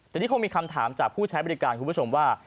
ทีนี้คงมีคำถามจากผู้ใช้บริการคุณผู้ชมว่า